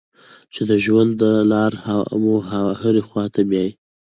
چې د ژوند دا لاره مو هرې خوا ته بیايي.